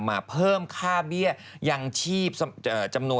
ไม่ต้องเอาละเยอะแล้ว